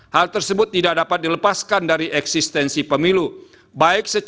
hal tersebut tidak dapat dilepaskan dari eksistensi pemilu